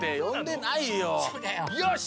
よし！